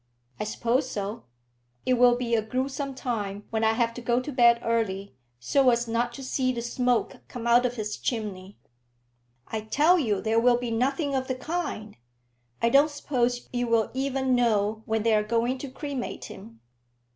"I suppose so." "It will be a gruesome time when I have to go to bed early, so as not to see the smoke come out of his chimney." "I tell you there will be nothing of the kind. I don't suppose you will even know when they're going to cremate him."